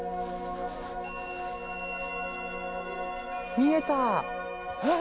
見えた！